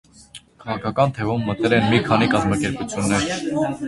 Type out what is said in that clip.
Քաղաքական թևում մտել են մի քանի կազմակերպություններ։